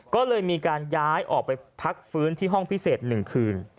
ก็เลยมีการย้ายออกไปพักฟื้นที่ห้องพิเศษ๑คืน